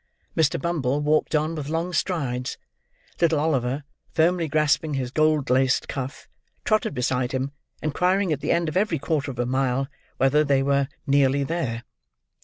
Mr. Bumble walked on with long strides; little Oliver, firmly grasping his gold laced cuff, trotted beside him, inquiring at the end of every quarter of a mile whether they were "nearly there."